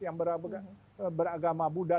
yang beragama buddha